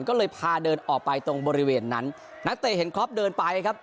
ก็เลยพาเดินออกไปตรงบริเวณนั้นนักเตะเห็นครอปเดินไปครับ